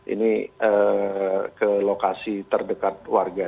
ini ke lokasi terdekat warga